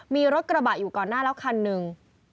มีรถกระบะอยู่ก่อนหน้าแล้วคันหนึ่ง